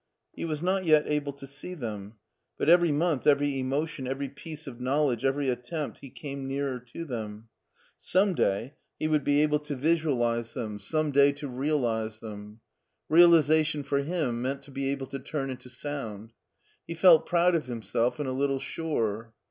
He was not yet able to see them; but every month, every emotion, every piece of knowledge, every attempt, he came nearer to them. Some day he would be able to visual 78 MARTIN SCHOLER ize them, some day to realize them. Realization for him meant to be able to turn into sound He felt proud of himself and a little sure.